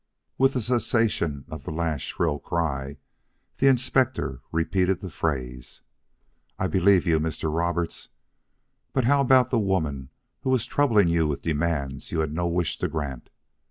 With the cessation of the last shrill cry, the Inspector repeated the phrase: "I believe you, Mr. Roberts. But how about the woman who was troubling you with demands you had no wish to grant?